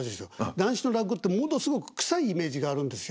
談志の落語ってものすごくくさいイメージがあるんですよ。